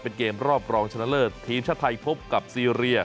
เป็นเกมรอบรองชนะเลิศทีมชาติไทยพบกับซีเรีย